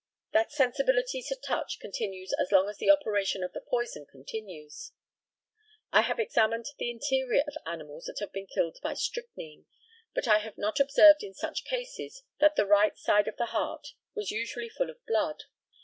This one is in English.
That sensibility to touch continues as long as the operation of the poison continues. I have examined the interior of animals that have been killed by strychnine; but I have not observed in such cases that the right side of the heart was usually full of blood.